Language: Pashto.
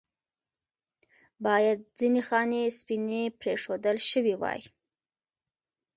باید ځنې خانې سپینې پرېښودل شوې واې.